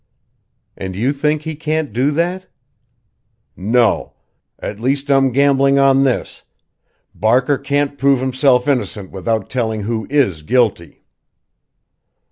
"And you think he can't do that?" "No! At least I'm gambling on this Barker can't prove himself innocent without telling who is guilty!"